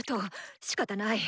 しかたない！